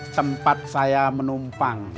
sempat saya menumpang